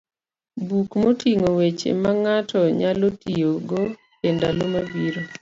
buk moting'o weche ma ng'ato nyalo tiyogo e ndalo mabiro.